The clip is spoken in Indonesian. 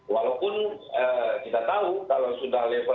walaupun kita tahu kalau sudah level tiga